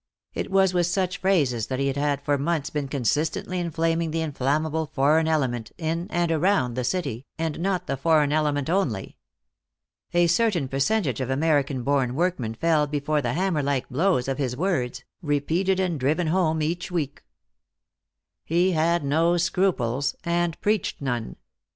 It was with such phrases that he had for months been consistently inflaming the inflammable foreign element in and around the city, and not the foreign element only. A certain percentage of American born workmen fell before the hammer like blows of his words, repeated and driven home each week. He had no scruples, and preached none.